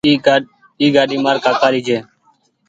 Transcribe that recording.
اي گآڏي مآر ڪآڪآ ري ڇي